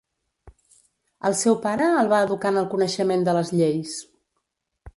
El seu pare el va educar en el coneixement de les lleis.